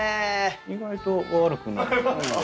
意外と悪くない。